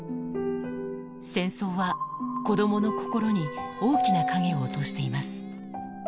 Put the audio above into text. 戦争は子どもの心に大きな影を落としています。